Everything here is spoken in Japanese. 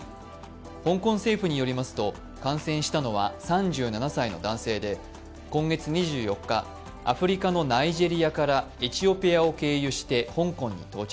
香港政府によりますと、感染したのは３７歳の男性で今月２４日、アフリカのナイジェリアからエチオピアを経由して香港に到着。